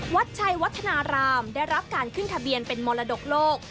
วัดชัยวัฒนารามได้รับการขึ้นทะเบียนเป็นมรดกโลก